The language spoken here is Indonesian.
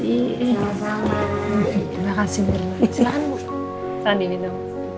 terima kasih silahkan bu silahkan diminum